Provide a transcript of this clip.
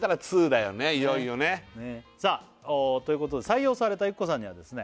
いよいよねさあということで採用されたゆっこさんにはですね